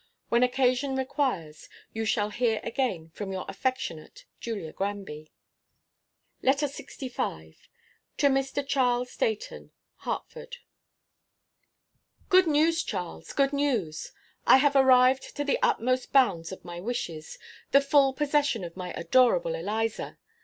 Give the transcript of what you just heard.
When occasion requires, you shall hear again from your affectionate JULIA GRANBY. LETTER LXV. TO MR. CHARLES DEIGHTON. HARTFORD. Good news, Charles, good news! I have arrived to the utmost bounds of my wishes the full possession of my adorable Eliza.